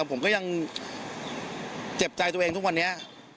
ผมก็ยังเจ็บใจตัวเองทุกวันนี้